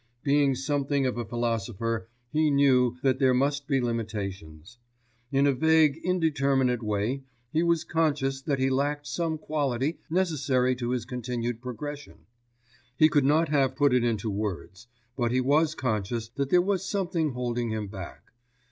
Being something of a philosopher, he knew that there must be limitations. In a vague, indeterminate way he was conscious that he lacked some quality necessary to his continued progression. He could not have put it into words; but he was conscious that there was something holding him back.